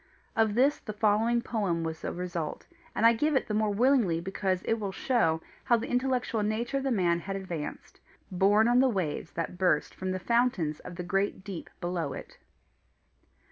Of this the following poem was a result, and I give it the more willingly because it will show how the intellectual nature of the man had advanced, borne on the waves that burst from the fountains of the great deep below it.